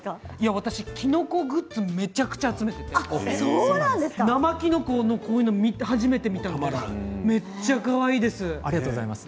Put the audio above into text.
私きのこグッズめちゃめちゃ集めていて生きのここういうの初めて見たのでめっちゃかわいいです。